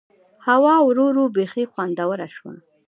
هوا ورو ورو بيخي خوندوره شوه.